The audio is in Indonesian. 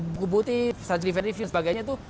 buku putih strategic defense review dan sebagainya itu